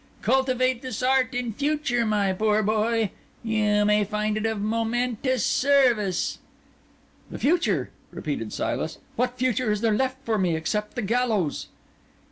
Cultivate this art in future, my poor boy; you may find it of momentous service." "The future!" repeated Silas. "What future is there left for me except the gallows?"